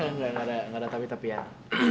enggak ada tapi tapian